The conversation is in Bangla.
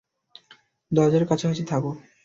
দরজার কাছাকাছি থাকো!